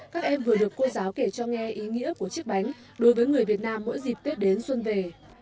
các em vừa được cô giáo kể cho nghe ý nghĩa của chiếc bánh đối với người việt nam mỗi dịp tết đến xuân về